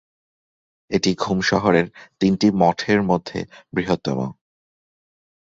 এটি ঘুম শহরের তিনটি মঠের মধ্যে বৃহত্তম।